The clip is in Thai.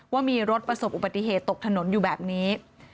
ว่ามีรถประสบอุบัติเหตุตกถนนอยู่แบบนี้